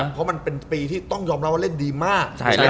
เพราะมันเป็นปีที่ต้องยอมรับว่าเล่นดีมาก